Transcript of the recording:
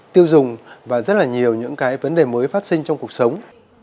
tiêu dùng và rất là nhiều những cái vấn đề mới phát sinh trong cuộc sống